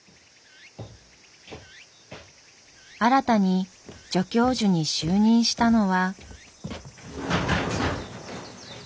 新たに助教授に就任したのは。